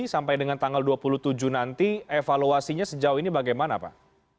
sampai dengan tanggal dua puluh tujuh nanti evaluasinya sejauh ini bagaimana pak